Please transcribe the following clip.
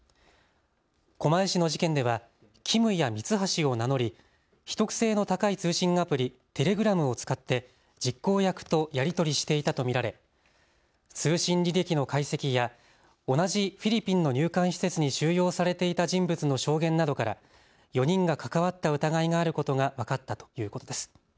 狛江市の事件ではキムやミツハシを名乗り秘匿性の高い通信アプリ、テレグラムを使って実行役とやり取りしていたと見られ通信履歴の解析や同じフィリピンの入管施設に収容されていた人物の証言などから４人が関わった疑いがあることが分かったということです。